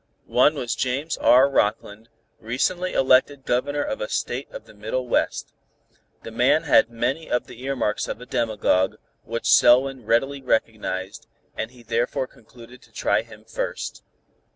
One was James R. Rockland, recently elected Governor of a State of the Middle West. The man had many of the earmarks of a demagogue, which Selwyn readily recognized, and he therefore concluded to try him first.